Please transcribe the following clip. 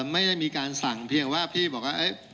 ไม่ได้มีการสั่งเพียงว่าพี่บอกว่า